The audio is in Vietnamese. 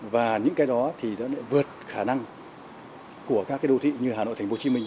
và những cái đó thì đã vượt khả năng của các cái đô thị như hà nội thành phố hồ chí minh